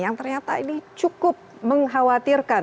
yang ternyata ini cukup mengkhawatirkan